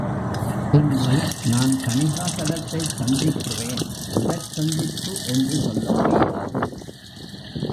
இன்று நான் தணிகாசலத்தைச் சந்திக்கிறேன் முதற் சந்திப்பு என்று சொல்ல முடியாது.